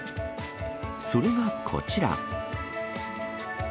それがこちら。